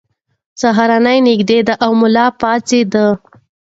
سهار نږدې دی او ملا پاڅېد.